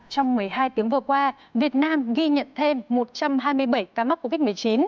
trong một mươi hai tiếng vừa qua việt nam ghi nhận thêm một trăm hai mươi bảy ca mắc covid một mươi chín